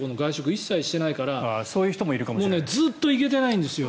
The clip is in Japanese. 一切してないからずっと行けていないんですよ。